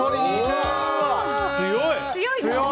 強い！